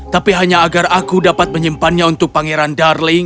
tapi hanya agar aku dapat menyimpannya untuk pangeran darling